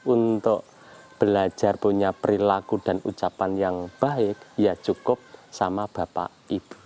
untuk belajar punya perilaku dan ucapan yang baik ya cukup sama bapak ibu